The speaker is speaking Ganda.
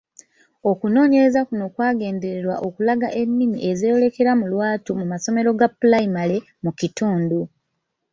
Okunoonyereza kuno kwagendererwa okulaga ennimi ezeeyolekera mu lwatu mu masomero ga pulayimale mu kitundu.